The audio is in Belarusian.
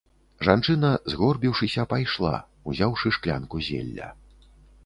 Жанчына, згорбіўшыся, пайшла, узяўшы шклянку зелля.